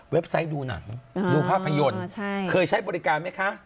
ไซต์ดูหนังดูภาพยนตร์เคยใช้บริการไหมคะ